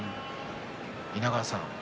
稲川さん